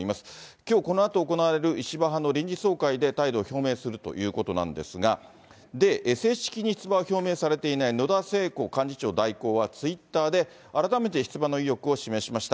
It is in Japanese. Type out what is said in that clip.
きょうこのあと行われる石破派の臨時総会で態度を表明するということなんですが、正式に出馬を表明されていない野田聖子幹事長代行は、ツイッターで、改めて出馬の意欲を示しました。